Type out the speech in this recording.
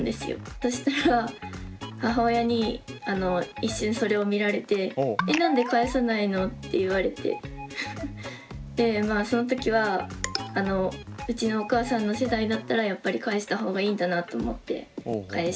そしたら母親に一瞬それを見られて「なんで返さないの？」って言われてでまあその時はうちのお母さんの世代だったらやっぱり返したほうがいいんだなと思って返しました。